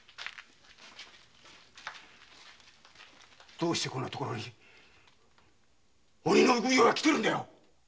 どうしてこんなところに鬼の奉行が来てるんだよ！